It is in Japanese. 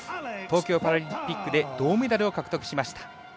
東京パラリンピックで銅メダルを獲得しました。